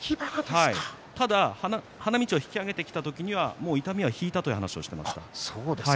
ただ花道を引き揚げた時は痛みが引いたという話をしていました。